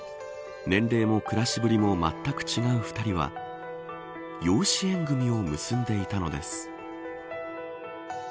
年齢も暮らしぶりもまったく違う２人は養子縁組を結んでいたのです。